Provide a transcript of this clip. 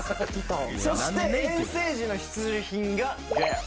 そして遠征時の必需品がジェル。